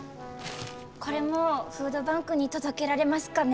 これもフードバンクに届けられますかね？